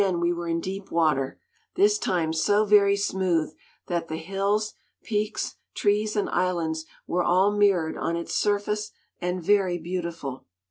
Again we were in deep water. This time so very smooth that the hills, peaks, trees and islands were all mirrored on its surface, and very beautiful.